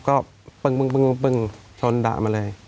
ก็ปึ้งชนด่ามาเลย